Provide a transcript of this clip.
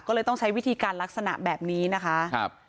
ก็เลยต้องใช้วิธีการลักษณะแบบนี้นะคะครับ